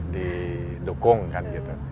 didukung kan gitu